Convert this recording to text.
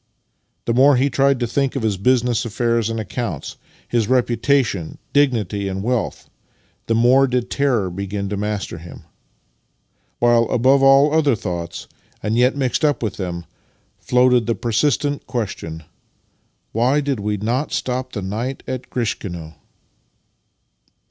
The more he tried to think of his biisiness affairs and accounts, his reputation, dignity and wealth, the more did terror begin to master him; while, above all other thoughts, and yet mixed up with them, floated the persistent question —*' Why did we not stop the night at Grishkino?